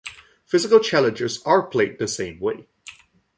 Physical challenges are played the same way.